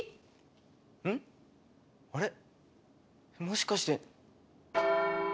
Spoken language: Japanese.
あれもしかして。